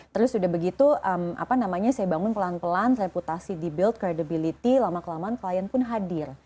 terus sudah begitu apa namanya saya bangun pelan pelan reputasi di build credibility lama kelamaan klien pun hadir